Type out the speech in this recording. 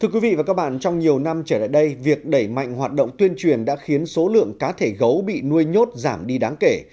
thưa quý vị và các bạn trong nhiều năm trở lại đây việc đẩy mạnh hoạt động tuyên truyền đã khiến số lượng cá thể gấu bị nuôi nhốt giảm đi đáng kể